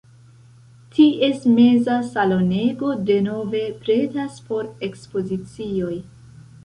Ties meza salonego denove pretas por ekspozicioj.